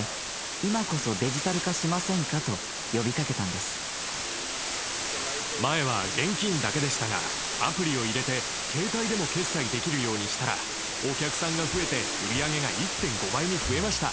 だから前は現金だけでしたがアプリを入れて携帯でも決済できるようにしたらお客さんが増えて売り上げが１．５倍に増えました。